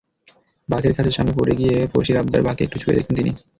বাঘের খাঁচার সামনে গিয়ে পড়শীর আবদার, বাঘকে একটু ছুঁয়ে দেখবেন তিনি।